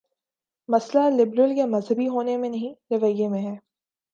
مسئلہ لبرل یا مذہبی ہو نے میں نہیں، رویے میں ہے۔